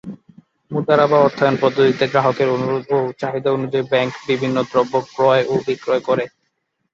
মুদারাবা অর্থায়ন পদ্ধতিতে গ্রাহকের অনুরোধ ও চাহিদানুযায়ী ব্যাংক বিভিন্ন দ্রব্য ক্রয় ও বিক্রয় করে।